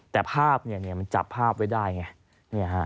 แต่ภาพจับภาพไว้ได้